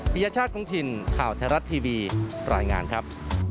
ปียชาติคงถิ่นข่าวไทยรัฐทีวีรายงานครับ